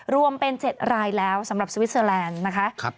รวมเป็น๗รายแล้วสำหรับสวิสเตอร์แลนด์นะคะ